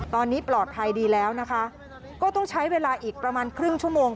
ตอนนี้ปลอดภัยดีแล้วนะคะก็ต้องใช้เวลาอีกประมาณครึ่งชั่วโมง